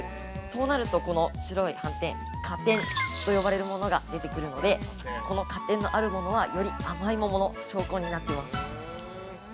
そうなると白い斑点、果点と呼ばれるものが出てくるので、この果点のあるものは、より甘い桃の証拠になっています。